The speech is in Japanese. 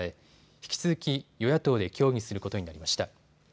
引き続き与野党で協議することになりました。